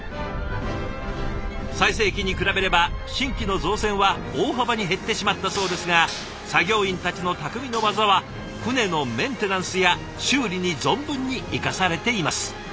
最盛期に比べれば新規の造船は大幅に減ってしまったそうですが作業員たちの匠の技は船のメンテナンスや修理に存分に生かされています。